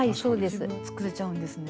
作れちゃうんですね。